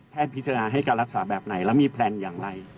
พิจารณาให้การรักษาแบบไหนแล้วมีแพลนอย่างไร